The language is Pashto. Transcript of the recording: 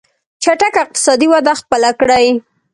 چټکه اقتصادي وده خپله کړي.